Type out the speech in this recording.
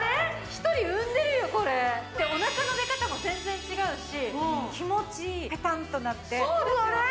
一人産んでるよこれおなかの出方も全然違うし気持ちいいペタンとなってそうですよね